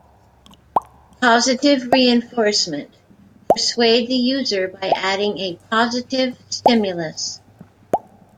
Positive Reinforcement: Persuade the user by adding a positive stimulus.